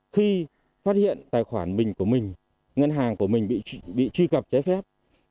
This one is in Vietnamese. khi phát hiện tài khoản mình của mình ngân hàng của mình bị truy cập trái phép